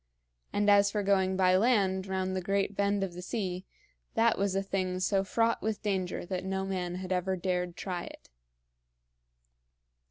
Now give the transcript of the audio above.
And as for going by land round the great bend of the sea, that was a thing so fraught with danger that no man had ever dared try it.